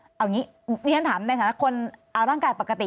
เอาอย่างนี้นี่ฉันถามในสถานการณ์ปกติ